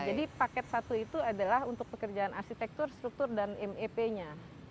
jadi paket satu itu adalah untuk pekerjaan arsitektur struktur dan mep nya